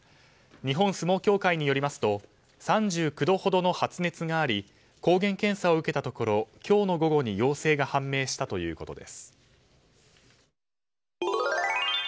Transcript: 日本相撲協会によりますと３９度ほどの発熱があり抗原検査を受けたところ今日の午後に陽性が判明したということです。